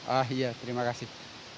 ah iya terima kasih